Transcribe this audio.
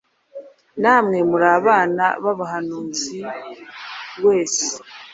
Namwe muri abana b’abahanuzi wese,